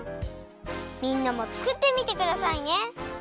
みんなもつくってみてくださいね。